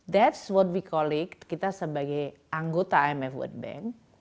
that's what we call it kita sebagai anggota imf world bank